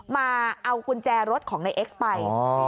มาเอากุญแจรถของนายเอ็กซ์ไป